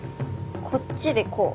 こっちでこう。